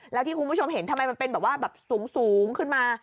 แล้วที่คุณผู้ชมเห็นทำไมมันเป็นแบบว่าแบบสูงขึ้นมา